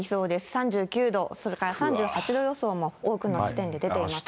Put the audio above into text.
３９度、それから３８度予想も多くの地点で出ていますね。